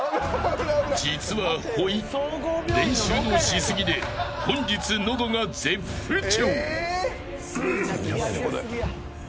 実はほい、練習のし過ぎで本日喉が絶不調。